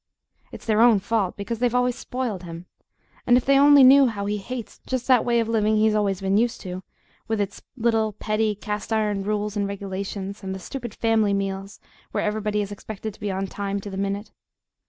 It's their own fault, because they've always spoiled him. And if they only knew how he hates just that way of living he's been always used to, with its little, petty cast iron rules and regulations, and the stupid family meals, where everybody is expected to be on time to the minute!